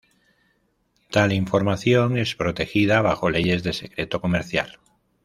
Tal información es protegida bajo leyes de secreto comercial.